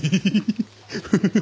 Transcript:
フフフフッ。